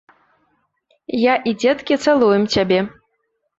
Я і дзеткі цалуем цябе.